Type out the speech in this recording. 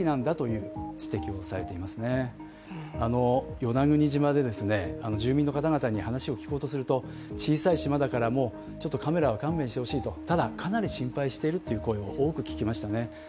与那国島で住民の方々に話を聞こうとすると、小さい島だからカメラは勘弁してほしいと、ただかなり心配しているっていう声を多く聞きましたね。